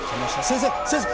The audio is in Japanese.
先生先生！